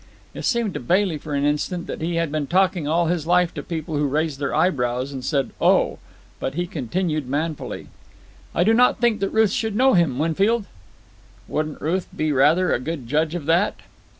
It seemed to Bailey for an instant that he had been talking all his life to people who raised their eyebrows and said "Oh!" but he continued manfully. "I do not think that Ruth should know him, Winfield." "Wouldn't Ruth be rather a good judge of that?"